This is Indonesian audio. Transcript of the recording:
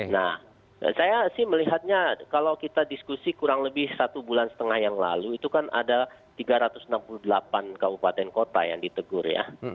nah saya sih melihatnya kalau kita diskusi kurang lebih satu bulan setengah yang lalu itu kan ada tiga ratus enam puluh delapan kabupaten kota yang ditegur ya